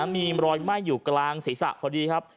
มีรอยไหม้อยู่กลางศีรษะพอดีครับ